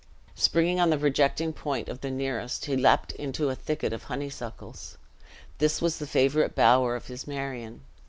Springing on the projecting point of the nearest, he leaped into a thicket of honeysuckles. This was the favorite bower of his Marion!